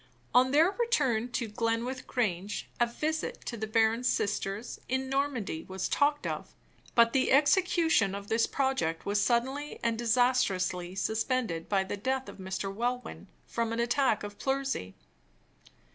On their return to Glenwith Grange, a visit to the baron's sisters, in Normandy, was talked of; but the execution of this project was suddenly and disastrously suspended by the death of Mr. Welwyn, from an attack of pleurisy.